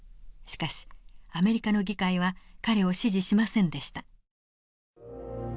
しかしアメリカの議会は彼を支持しませんでした。